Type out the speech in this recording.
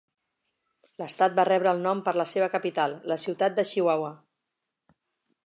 L'estat va rebre el nom per la seva capital, la ciutat de Chihuahua.